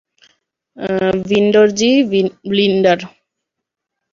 ভিন্ডর জি, বিল্ডার।